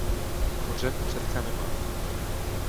Kořen předka nemá.